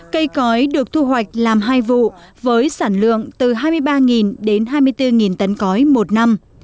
cây cõi được thu hoạch làm hai vụ với sản lượng từ hai mươi ba đến hai mươi bốn tấn cõi một năm